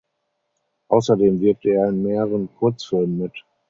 Außerdem wirkte er in mehreren Kurzfilmen mit.